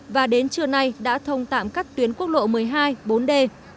và đến trưa nay đã thông tạm các tuyến quốc lộ một mươi hai bốn d